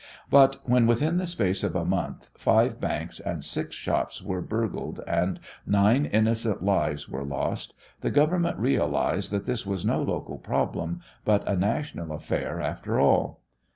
But, when within the space of a month five banks and six shops were burgled and nine innocent lives were lost, the Government realized that this was no local problem but a national affair after all.